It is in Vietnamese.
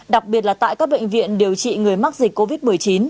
đặc biệt là tại các bệnh viện điều trị người mắc dịch covid một mươi chín